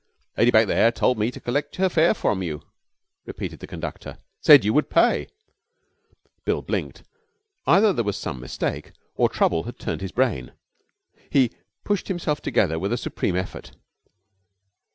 'Lady back there told me to collect her fare from you,' repeated the conductor. 'Said you would pay.' Bill blinked. Either there was some mistake or trouble had turned his brain. He pushed himself together with a supreme effort.